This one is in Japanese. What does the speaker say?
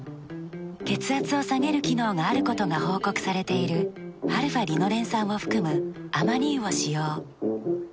血圧を下げる機能があることが報告されているαーリノレン酸を含むアマニ油を使用。